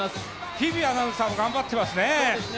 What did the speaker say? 日比アナウンサーも頑張ってますね。